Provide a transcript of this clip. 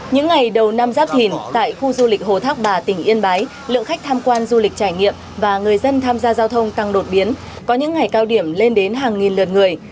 những ngày đầu năm giáp thìn tại khu du lịch hồ thác bà tỉnh yên bái lượng khách tham quan du lịch trải nghiệm và người dân tham gia giao thông tăng đột biến có những ngày cao điểm lên đến hàng nghìn lượt người